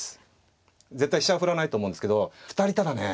絶対飛車は振らないと思うんですけど２人ただね